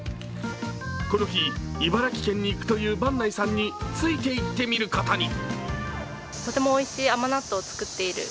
この日、茨城県に行くという坂内さんについていってみることに。